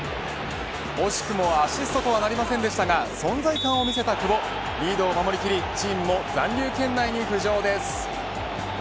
惜しくもアシストとはなりませんでしたが存在感を見せた久保リードを守りきりチームも残留圏内に浮上です。